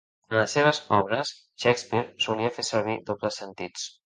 En les seves obres, Shakespeare solia fer servir dobles sentits.